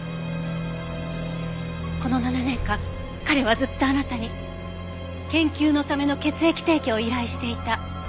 この７年間彼はずっとあなたに研究のための血液提供を依頼していた。